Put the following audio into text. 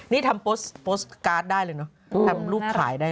นี่ทำรูปขายทำรูปโปรสการ์ทได้